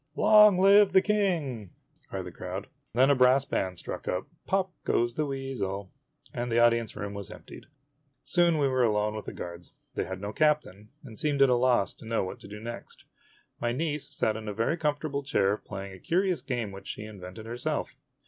" Long live the King !" cried the crowd. Then a brass band struck up "Pop Goes the Weasel," and the audience room was emptied. Soon we were alone with the guards. They had no captain, and seemed at a loss to know what to do next. My niece sat in a very comfortable chair playing a curious game which she invented herself.